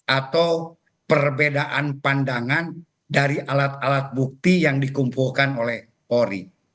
atau perbedaan pandangan dari alat alat bukti yang dikumpulkan oleh polri